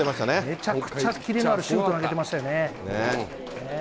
めちゃくちゃ切れのあるシュート投げてましたよね。